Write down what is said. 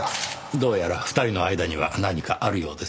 どうやら２人の間には何かあるようですねぇ。